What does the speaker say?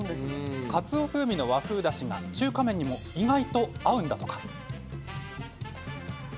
かつお風味の和風だしが中華麺にも意外と合うんだとか。